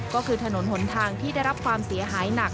ก็คือถนนหนทางที่ได้รับความเสียหายหนัก